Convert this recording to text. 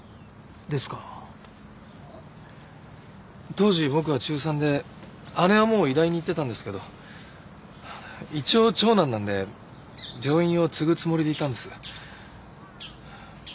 当時僕は中３で姉はもう医大に行ってたんですけど一応長男なので病院を継ぐつもりでいたんです。